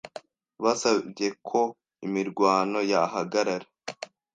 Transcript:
Basabye ko imirwano yahagarara.